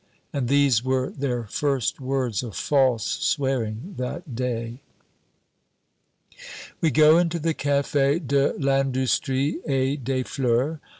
And these were their first words of false swearing that day. We go into the Cafe de l'Industrie et des Fleurs.